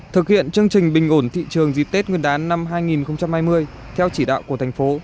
thực hiện chương trình bình ổn thị trường dịp tết nguyên đán năm hai nghìn hai mươi theo chỉ đạo của thành phố